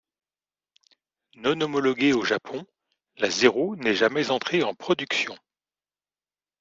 Non homologuée au Japon, la Zero n'est jamais entrée en production.